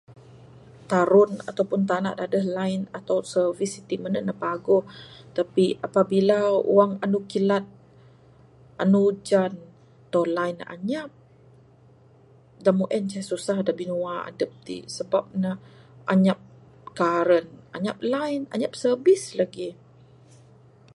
Tarun ato pun tanah adeh line ato service ti mene paguh tapi apabila wang andu kilat, anu ujan, tau line anyap, da meng en ce da susah da binua adep ti sebab ne anyap karen, anyap line anyap service lagih.